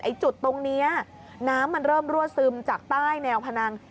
จุดตรงนี้น้ำมันเริ่มรั่วซึมจากใต้แนวพนัง